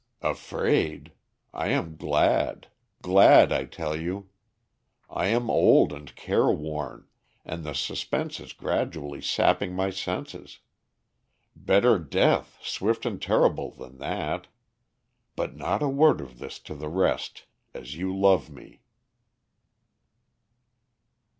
"Afraid! I am glad glad, I tell you. I am old and careworn, and the suspense is gradually sapping my senses. Better death, swift and terrible, than that. But not a word of this to the rest, as you love me!"